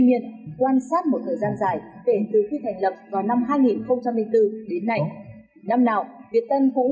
niên quan sát một thời gian dài kể từ khi thành lập vào năm hai nghìn bốn đến nay năm nào việt tân cũng